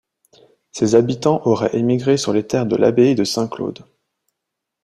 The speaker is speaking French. Ses habitants auraient émigré sur les terres de l'abbaye de Saint-Claude.